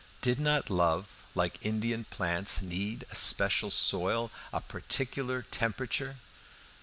Did not love, like Indian plants, need a special soil, a particular temperature?